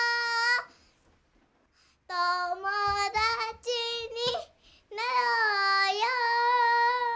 「ともだちになろうよ」